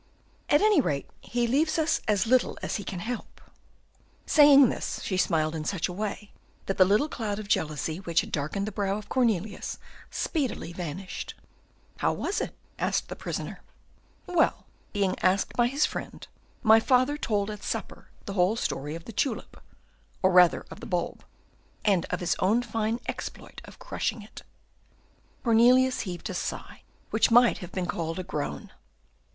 "At any rate, he leaves us as little as he can help." Saying this, she smiled in such a way that the little cloud of jealousy which had darkened the brow of Cornelius speedily vanished. "How was it?" asked the prisoner. "Well, being asked by his friend, my father told at supper the whole story of the tulip, or rather of the bulb, and of his own fine exploit of crushing it." Cornelius heaved a sigh, which might have been called a groan.